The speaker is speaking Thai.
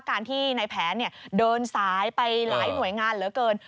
การที่ในแผนเดินสายไปหลายหน่วยงานเหลือเกิน